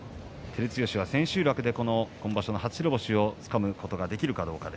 照強は千秋楽で今場所の初白星をつかむことができるかどうか。